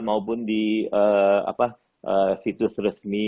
maupun di situs resmi